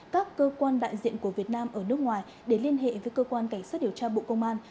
các cơ quan đại diện của việt nam ở nước ngoài để liên hệ với cơ quan cảnh sát điều tra bộ công an